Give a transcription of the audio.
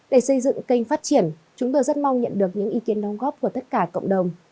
để xây dựng kênh phát triển chúng tôi rất mong nhận được những ý kiến đóng góp của tất cả cộng đồng